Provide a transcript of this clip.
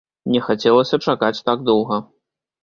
Не хацелася чакаць так доўга.